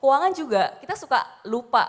keuangan juga kita suka lupa